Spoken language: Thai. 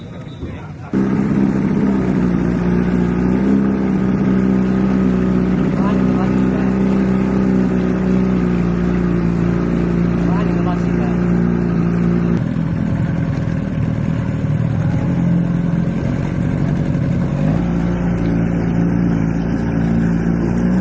รายการรัฐการณ์จังหวัดน้ำคอร์นรัฐสีมา